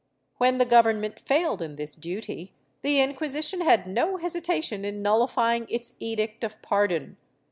When the Government failed in this duty, the Inquisition had no hesitation in nullifying its edict of pardon.